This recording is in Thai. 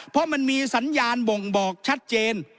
เพราะมันมีสัญญาณบ่งบอกชัดเจน